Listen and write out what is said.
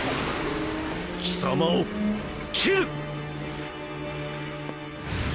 貴様を斬る！